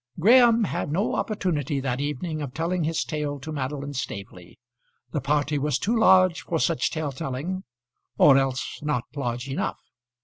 Graham had no opportunity that evening of telling his tale to Madeline Staveley. The party was too large for such tale telling or else not large enough.